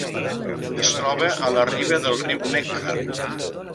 Es troba a la riba del riu Neckar.